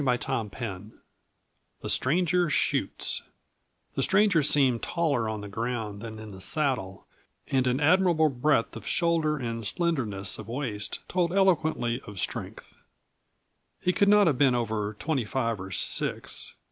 CHAPTER II THE STRANGER SHOOTS The stranger seemed taller on the ground than in the saddle and an admirable breadth of shoulder and slenderness of waist told eloquently of strength. He could not have been over twenty five or six.